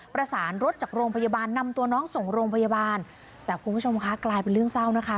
ประสานรถจากโรงพยาบาลนำตัวน้องส่งโรงพยาบาลแต่คุณผู้ชมคะกลายเป็นเรื่องเศร้านะคะ